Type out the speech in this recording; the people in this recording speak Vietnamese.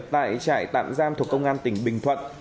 tại trại tạm giam thuộc công an tỉnh bình thuận